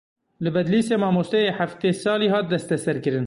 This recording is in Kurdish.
Li Bedlîsê mamosteyê heftê salî hat destserkirin.